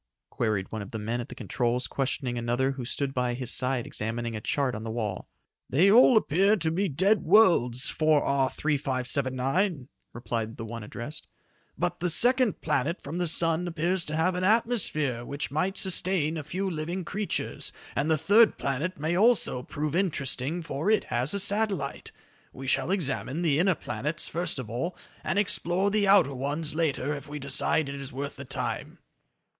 queried one of the men at the controls questioning another who stood by his side examining a chart on the wall. "They all appear to be dead worlds, 4R 3579," replied the one addressed, "but the second planet from the sun appears to have an atmosphere which might sustain a few living creatures, and the third planet may also prove interesting for it has a satellite. We shall examine the inner planets first of all, and explore the outer ones later if we decide it is worth the time."